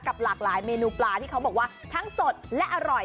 หลากหลายเมนูปลาที่เขาบอกว่าทั้งสดและอร่อย